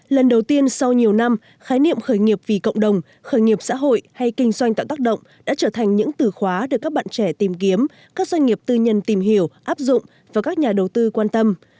lần đầu tiên sau nhiều năm khái niệm khởi nghiệp vì cộng đồng khởi nghiệp xã hội hay kinh doanh tạo tác động đã trở thành những từ khóa được các bạn trẻ tìm kiếm các doanh nghiệp tư nhân tìm hiểu áp dụng và các nhà đầu tư quan tâm